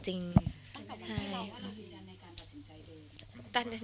ตั้งแต่วันที่เราว่าเรายืนยันในการตัดสินใจเอง